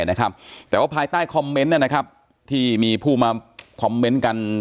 นะครับแต่ว่าภายใต้คอมเมนต์นะครับที่มีผู้มาคอมเมนต์กัน